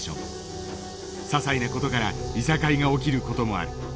ささいな事からいさかいが起きる事もある。